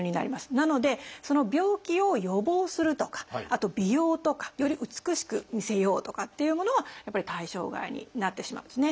なのでその病気を予防するとかあと美容とかより美しく見せようとかっていうものはやっぱり対象外になってしまうんですね。